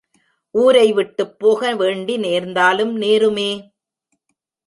ஊரை விட்டுப் போக வேண்டி நேர்ந்தாலும் நேருமே!